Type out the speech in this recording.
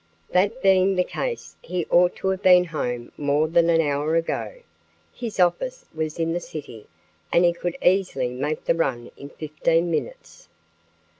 That being the case, he ought to have been home more than an hour ago. His office was in the city and he could easily make the run in fifteen minutes.